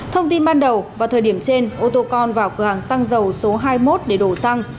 thông tin ban đầu vào thời điểm trên ô tô con vào cửa hàng xăng dầu số hai mươi một để đổ xăng